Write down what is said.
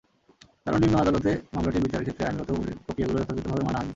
কারণ, নিম্ন আদালতে মামলাটির বিচারের ক্ষেত্রে আইনগত প্রক্রিয়াগুলো যথাযথভাবে মানা হয়নি।